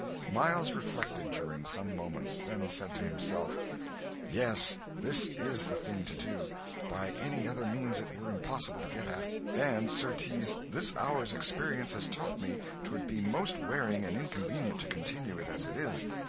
Miles reflected during some moments, then said to himself, "Yes, that is the thing to do by any other means it were impossible to get at it and certes, this hour's experience has taught me 'twould be most wearing and inconvenient to continue it as it is.